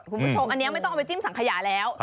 คุณผู้ชมอันนี้ไม่ต้องเอาไปจิ้มสังขยาแล้ว